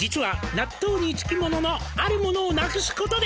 「納豆につきもののあるものをなくすことで」